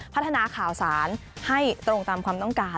พัฒนาข่าวสารให้ตรงตามความต้องการ